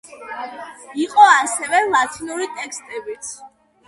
იყო ასევე ლათინური ტექსტებიც.